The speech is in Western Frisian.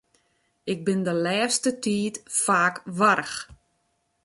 Ik bin de lêste tiid faak warch.